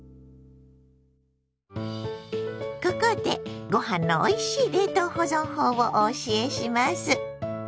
ここでご飯のおいしい冷凍保存法をお教えします。